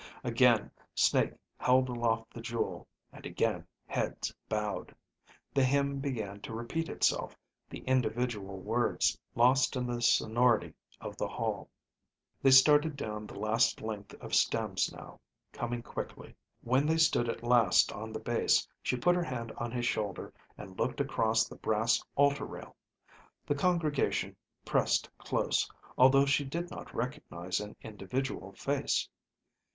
Again Snake held aloft the jewel, and again heads bowed. The hymn began to repeat itself, the individual words lost in the sonority of the hall. They started down the last length of stems now, coming quickly. When they stood at last on the base, she put her hand on his shoulder and looked across the brass altar rail. The congregation pressed close, although she did not recognize an individual face.